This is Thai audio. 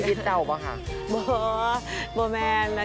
บรรชังบรรลงค์